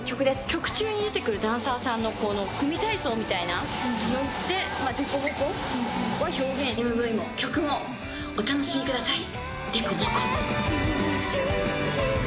曲中に出てくるダンサーさんの、この組み体操みたいな、乗って、凸凹を表現、ＭＶも曲も、お楽しみください。